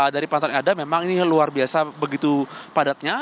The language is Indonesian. dari pasar yang ada memang ini luar biasa begitu padatnya